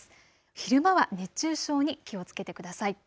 昼間は熱中症に気をつけてください。